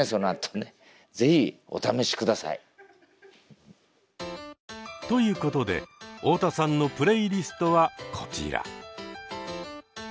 ぜひお試し下さい。ということで太田さんのプレイリストはこちら。